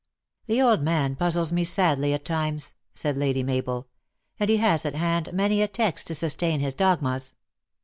" The old man puzzles ine sadly at times," said Lady Mabel ;" and he has at hand many a text to sustain his dogmas."